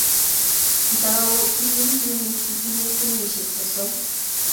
Kitaguu Kim Kuni tinyei kenyishiek sosom